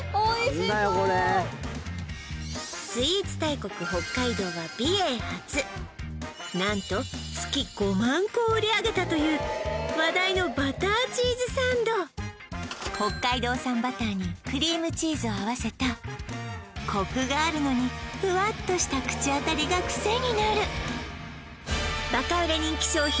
これスイーツ大国・北海道は美瑛発何と月５万個を売り上げたという話題のバターチーズサンド北海道産バターにクリームチーズを合わせたコクがあるのにふわっとした口あたりがクセになるバカ売れ人気商品